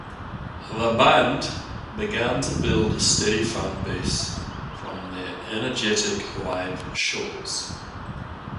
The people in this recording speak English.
The band began to build a steady fan base from their energetic live shows.